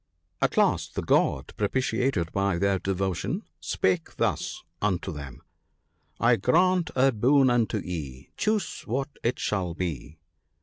At last the God, pro pitiated by their devotion, spake thus unto them :— 1 1 grant a boon unto ye, — choose what it shall be.'